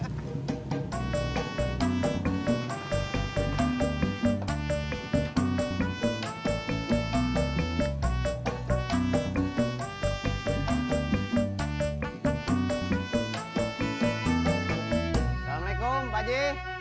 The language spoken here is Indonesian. assalamu'alaikum pak ji